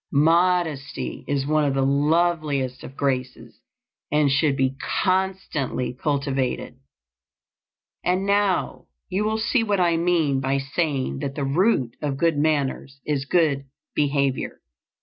Modesty is one of the loveliest of graces, and should be constantly cultivated. And now you will see what I mean by saying that the root of good manners is good behavior.